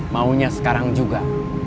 maunya sekarang juga